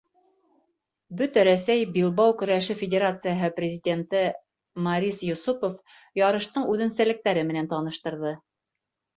Бөтә Рәсәй Билбау көрәше федерацияһы президенты Морис Йосопов ярыштың үҙәнсәлектәре менән таныштырҙы.